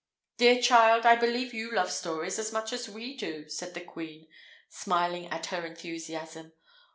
"Dear child, I believe you love stories as much as we do," said the Queen, smiling at her enthusiasm.